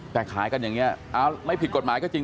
แต่ขายกันอย่างนี้ไม่ผิดกฎหมายก็จริง